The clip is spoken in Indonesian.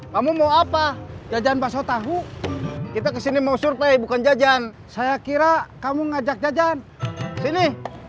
kamu mau apa jajan bakso tahu kita kesini mau survei bukan jajan saya kira kamu ngajak jajan sini